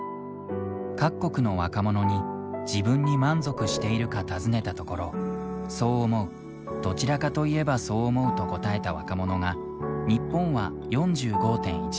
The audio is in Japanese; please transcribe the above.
各国の若者に「自分に満足しているか」尋ねたところ「そう思う」「どちらかといえばそう思う」と答えた若者が日本は４５．１％。